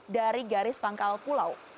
dari garis pangkal pulau